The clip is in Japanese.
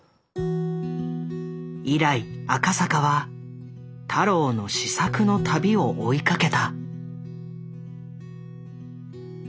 以来赤坂は太郎の思索の旅を追いかけた。